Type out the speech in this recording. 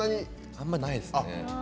あんまりないですね。